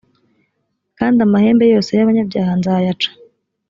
kandi amahembe yose y abanyabyaha nzayaca